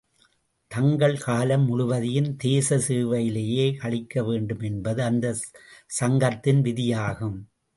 தங்கள் காலம் முழுவதையும் தேச சேவையிலேயே கழிக்க வேண்டும் என்பது அந்தச் சங்கத்தின் விதியாகும்.